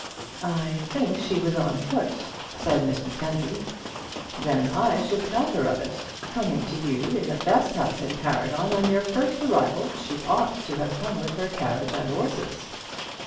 "I think she was on foot," said Miss Mackenzie. "Then I should tell her of it. Coming to you, in the best house in the Paragon, on your first arrival, she ought to have come with her carriage and horses."